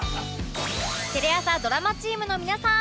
テレ朝ドラマチームの皆さん